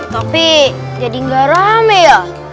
tapi jadi gak rame ya